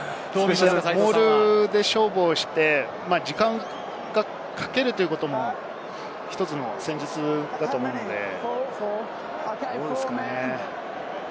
モールで勝負をして時間をかけるということも１つの戦術だと思うので、どうですかね。